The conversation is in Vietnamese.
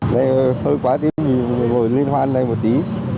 đây hơi quá tím mình ngồi liên hoan đây một tí